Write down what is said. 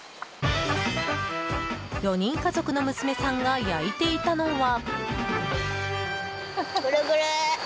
４人家族の娘さんが焼いていたのは。